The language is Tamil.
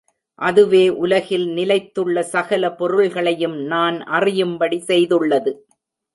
அதுவே உலகில் நிலைத்துள்ள சகல பொருள்களையும் நான் அறியும்படி செய்துள்ளது.